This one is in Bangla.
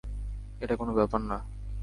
এটা কোনো ব্যাপার না।